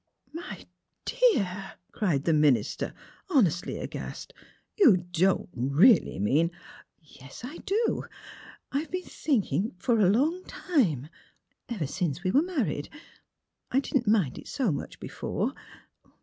"'' My dear! " cried the minister, honestly aghast. ^' You don't really mean "'' Yes ; I do ! I've been thinking for a long time — ever since we were married. I didn't mind it so much before.